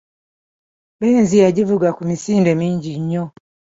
Benzi ya givuga ku misinde mingi nnyo.